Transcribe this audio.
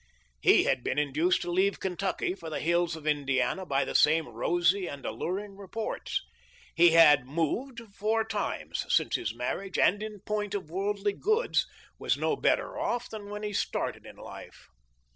He had been induced to leave Kentucky for the hills of Indiana by the same rosy and alluring reports. He had moved four times since his marriage and in point of worldly goods was no better off than when he started in life.